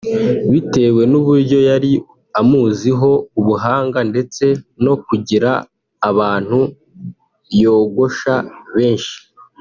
bitewe n’uburyo yari amuziho ubuhanga ndetse no kugira abantu yogosha benshi